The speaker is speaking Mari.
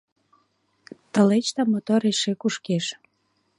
Тылечда мотор эше кушкеш.